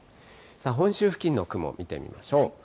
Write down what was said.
本州付近の雲、見てみましょう。